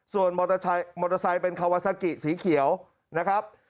ส่วนมอเตอร์ไซด์มอเตอร์ไซด์เป็นคาวาซากิสีเขียวนะครับ